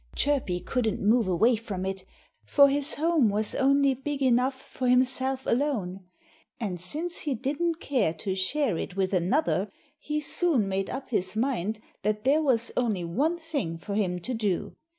Chirpy couldn't move away from it, for his home was only big enough for himself alone. And since he didn't care to share it with another, he soon made up his mind that there was only one thing for him to do.